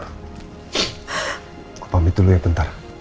pak pamit dulu ya bentar